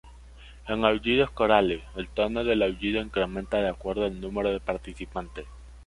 En aullidos corales, el tono del aullido incrementa de acuerdo al número de participantes.